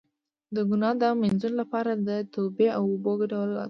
د ګناه د مینځلو لپاره د توبې او اوبو ګډول وکاروئ